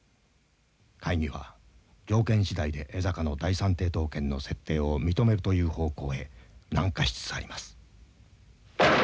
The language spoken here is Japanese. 会議は条件次第で江坂の第三抵当権の設定を認めるという方向へ軟化しつつあります」。